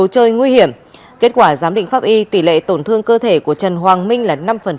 đồ chơi nguy hiểm kết quả giám định pháp y tỷ lệ tổn thương cơ thể của trần hoàng minh là năm